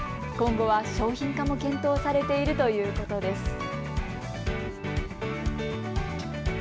今後は商品化も検討されているということです。